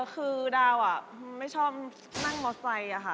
คือดาวอ่ะไม่ชอบนั่งมอเซอร์ไซค่ะ